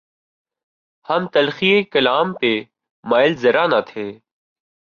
ہم تلخیِ کلام پہ مائل ذرا نہ تھے